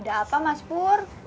ada apa mas pur